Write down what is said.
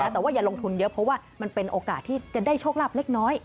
แต่ว่าอย่าลงทุนเยอะเพราะว่ามันเป็นโอกาสที่จะได้โชคลาภเล็กน้อย